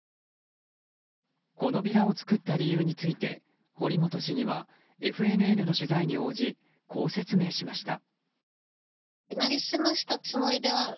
このビラを作った理由について堀本市議はＦＮＮの取材に応じこう説明しました。